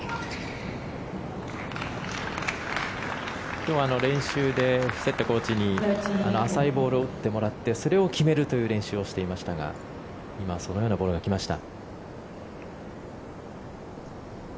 今日は練習でフィセッテコーチに浅いボールを打ってもらってそれを決めるという練習をしていましたが今、そのようなボールが来ました。